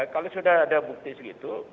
kalau sudah ada bukti segitu